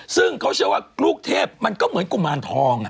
ซึ่งเขาเชื่อว่าลูกเทพมันก็เหมือนกุมารทอง